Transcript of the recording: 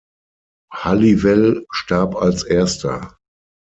Halliwell starb als erster.